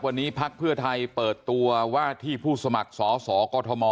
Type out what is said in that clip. วันนี้พรรคเูือไทยเปิดตัวว่าที่ผู้สมัครสสกครูธมอ